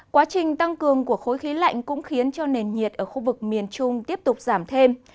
quá trình tăng cường của khối khí lạnh cũng khiến cho nền nhiệt ở khu vực miền trung tiếp tục giảm thêm